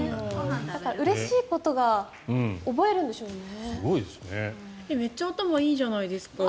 だから、うれしいことは覚えるんでしょうね。